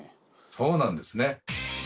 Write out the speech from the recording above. そうなんですね